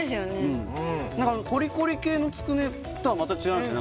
うん何かコリコリ系のつくねとはまた違いますね